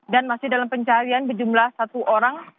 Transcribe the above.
dan masih dalam pencarian berjumlah satu orang